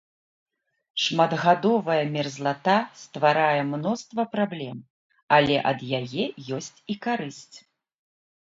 Шматгадовая мерзлата стварае мноства праблем, але ад яе ёсць і карысць.